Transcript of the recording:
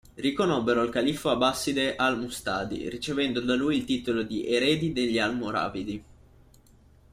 Riconobbero il califfo abbaside al-Mustadi', ricevendo da lui il titolo di "eredi degli Almoravidi".